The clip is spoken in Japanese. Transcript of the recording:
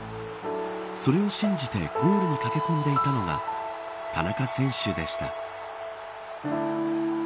それを信じてゴールに駆け込んでいたのが田中選手でした。